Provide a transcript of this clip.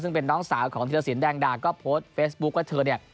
ซึ่งเป็นน้องสาวของธิรสินแดงดาก็โพสต์เฟซบุ๊คว่าเธอเนี่ย